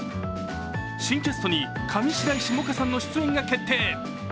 新キャストに上白石萌歌さんの出演が決定。